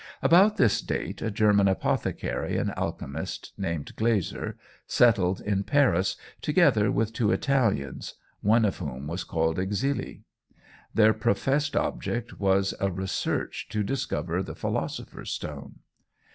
About this date a German apothecary and alchemist, named Glaser, settled in Paris, together with two Italians, one of whom was called Exili. Their professed object was a research to discover the Philosopher's Stone.